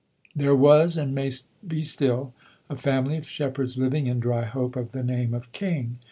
There was and may be still a family of shepherds living in Dryhope of the name of King.